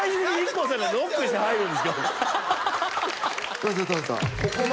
どうぞどうぞ。